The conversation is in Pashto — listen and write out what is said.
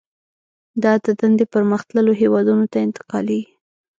دا دندې پرمختللو هېوادونو ته انتقالېږي